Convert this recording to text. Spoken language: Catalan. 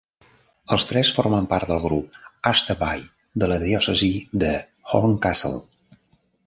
Els tres formen part del grup Asterby de la Diòcesi de "Horncastle".